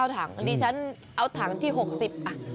ถังดิฉันเอาถังที่๖๐อ่ะ